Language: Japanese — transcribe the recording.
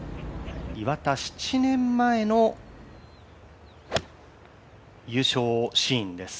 岩田、７年前の優勝シーンです。